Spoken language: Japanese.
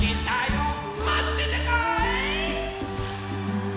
「まってたかい！」